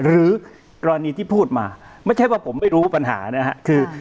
หรือกรณีที่พูดมาไม่ใช่ว่าผมไม่รู้ปัญหานะครับคือ